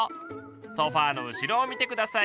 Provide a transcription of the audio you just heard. ソファーの後ろを見て下さい。